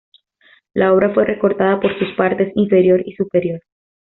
La obra fue recortada por sus partes inferior y superior.